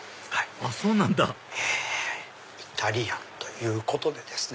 あっそうなんだイタリアンということでですね。